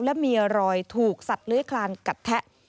และมีรอยถูกสัตว์เลื้อยคลานกัดแทะ